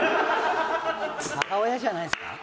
母親じゃないんですか？